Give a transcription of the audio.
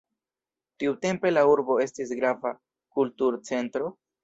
Tiutempe la urbo estis grava kulturcentro.